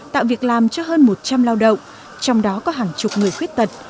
tạo việc làm cho hơn một trăm linh lao động trong đó có hàng chục người khuyết tật